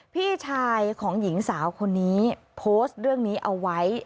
พี่ชายของหญิงสาวคนนี้โพสต์เรื่องนี้เอาไว้